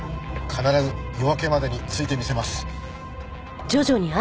必ず夜明けまでに着いてみせます！